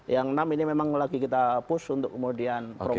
yang enam ini memang lagi kita push untuk kemudian promosi